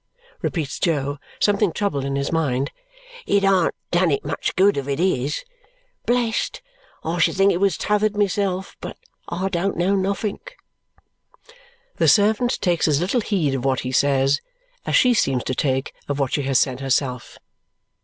repeats Jo, something troubled in his mind. "It an't done it much good if it is. Blest? I should think it was t'othered myself. But I don't know nothink!" The servant takes as little heed of what he says as she seems to take of what she has said herself.